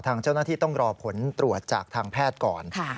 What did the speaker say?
ทางเจ้าหน้าที่ต้องรอผลตรวจจากทางแพทย์ก่อน